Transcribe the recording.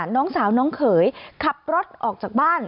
น้องสาวน้องเขยขับรถออกจากบ้าน